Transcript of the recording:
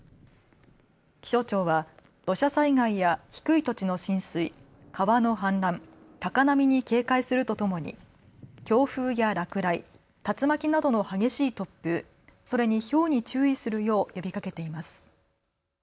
気象庁は土砂災害や低い土地の浸水、川の氾濫高波に警戒するとともに強風や落雷竜巻などの激しい突風それに、ひょうに注意するよう呼びかけています。